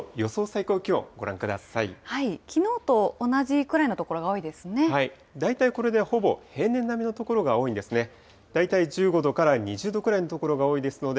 最高気温ご覧くださきのうと同じくらいの所が多大体これでほぼ平年並みの所が多いんですね。